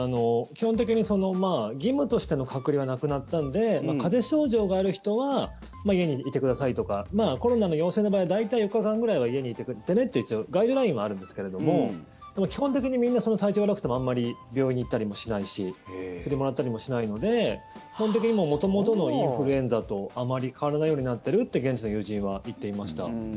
基本的に義務としての隔離はなくなったので風邪症状がある人は家にいてくださいとかコロナの陽性の場合は大体４日間ぐらいは家にいてねというガイドラインはあるんですけどもでも基本的にみんな体調悪くてもあまり病院に行ったりもしないし薬をもらったりもしないので本当に元々のインフルエンザとあまり変わらないようになってるって現地の友人は言っていました。